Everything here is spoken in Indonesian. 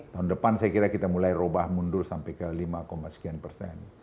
tahun depan saya kira kita mulai robah mundur sampai ke lima sekian persen